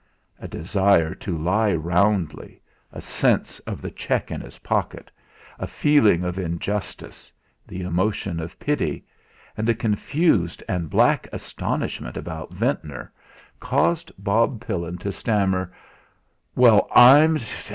A desire to lie roundly, a sense of the cheque in his pocket, a feeling of injustice, the emotion of pity, and a confused and black astonishment about Ventnor, caused Bob Pillin to stammer: "Well, I'm d d!"